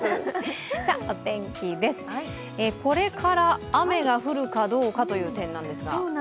お天気です、これから雨が降るかどうかという点ですが。